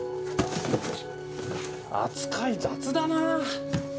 扱い雑だな！